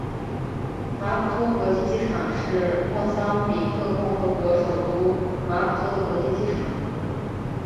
马普托国际机场是莫桑比克共和国首都马普托的国际机场。